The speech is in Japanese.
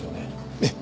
ええ。